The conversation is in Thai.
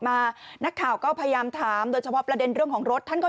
มานักข่าวก็พยายามถามโดยเฉพาะประเด็นเรื่องของรถท่านก็